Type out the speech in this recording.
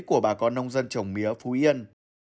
của bà con nông dân trồng mía phú yên